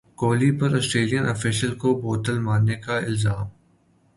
کوہلی پر Australian official کو بوتل مارنے کا الزام